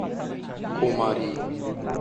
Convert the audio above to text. Cumari